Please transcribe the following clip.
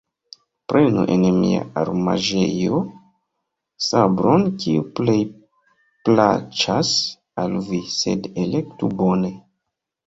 Prenu en mia armaĵejo sabron, kiu plej plaĉas al vi, sed elektu bone.